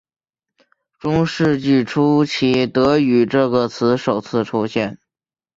中世纪初期德语这个词首次出现。